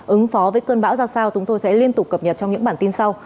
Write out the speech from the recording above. ứng phó với cơn bão ra sao chúng tôi sẽ liên tục cập nhật trong những bản tin sau